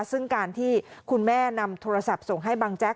ซึ่งการที่คุณแม่นำโทรศัพท์ส่งให้บังแจ๊ก